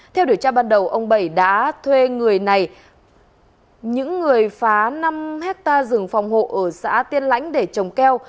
theo điều tra ban đầu ông bảy đã thuê người này những người phá năm hectare rừng phòng hộ ở xã tiên lãnh để trồng keo